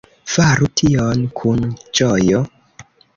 Faru tion kun ĝojo.